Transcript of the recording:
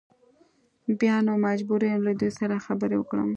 بیا نو مجبور یم له دوی سره خبرې وکړم.